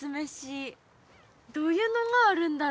どういうのがあるんだろ？